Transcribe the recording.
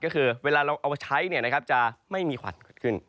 ก็คือเวลาเราเอามาใช้จะไม่มีควันเกิดขึ้น